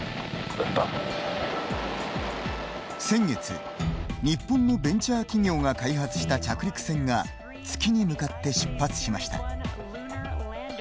先月日本のベンチャー企業が開発した着陸船が月に向かって出発しました。